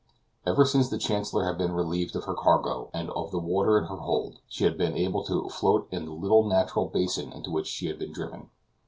Ever since the Chancellor had been relieved of her cargo, and of the water in her hold, she had been able to float in the little natural basin into which she had been driven.